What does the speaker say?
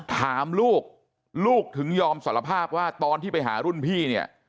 ถามลูกลูกถึงยอมสารภาพว่าตอนที่ไปหารุ่นพี่เนี่ย